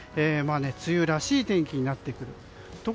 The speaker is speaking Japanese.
梅雨らしい天気になってくると。